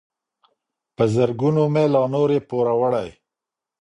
په زرګونو مي لا نور یې پوروړی